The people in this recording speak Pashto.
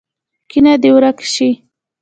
کینه دې ورک شي.